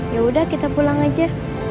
ya udah kita pulang aja